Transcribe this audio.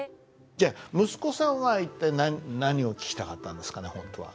じゃあ息子さんは一体何を聞きたかったんですかね本当は。